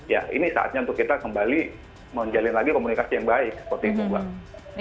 ya ini saatnya untuk kita kembali menjalin lagi komunikasi yang baik seperti itu mbak